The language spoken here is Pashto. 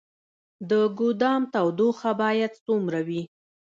د ګدام تودوخه باید څومره وي؟